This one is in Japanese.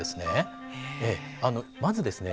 まずですね